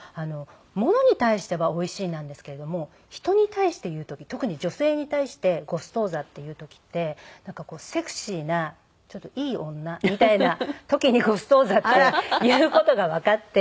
物に対してはおいしいなんですけども人に対して言う時特に女性に対して「ゴストーザ」って言う時ってセクシーないい女みたいな時に「ゴストーザ」って言う事がわかって。